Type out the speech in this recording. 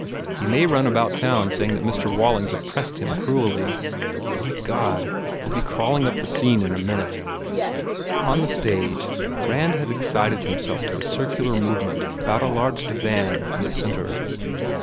He may run about town saying that Mr. Walling s oppressing him cruelly. My God, he ll be crawling up the scene in a min ute!" On the stage, Rand had excited himself to a circular movement about a large divan in the centre.